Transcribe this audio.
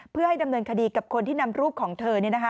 เพื่อให้ดำเนินคดีกับคนที่นำรูปของเธอ